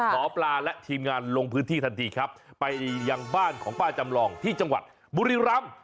หมอปลาและทีมงานลงพื้นที่ทันทีครับไปยังบ้านของป้าจำลองที่จังหวัดบุรีรำ